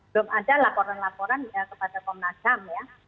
belum ada laporan laporan kepada komnas ham ya